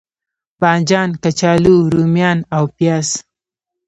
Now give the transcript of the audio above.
بانجان، کچالو، روميان او پیاز